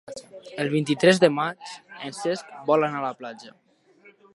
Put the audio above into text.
El vint-i-tres de maig en Cesc vol anar a la platja.